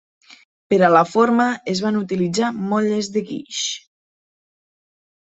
Per a la forma es van utilitzar motlles de guix.